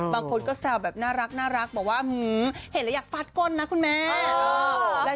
บางคนก็แซวแบบน่ารักบอกว่าเห็นแล้วอยากฟาดก้นนะคุณแม่